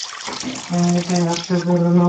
এমনিতেই হাটতে বের হলাম।